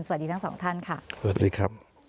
สวัสดีทั้งสองท่านค่ะสวัสดีครับ